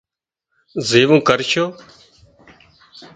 زيوون ڪرشو